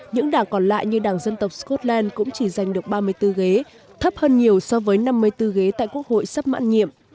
những đảng còn lại như đảng dân tộc scotland cũng chỉ giành được ba mươi bốn ghế thấp hơn nhiều so với năm mươi bốn ghế tại quốc hội sắp mãn nhiệm